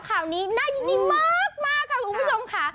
ข่าวนี้น่ายินดีมากค่ะคุณผู้ชมค่ะ